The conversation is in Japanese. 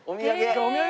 お土産。